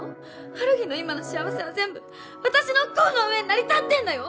ハルヒの今の幸せは全部私の不幸の上に成り立ってんだよ！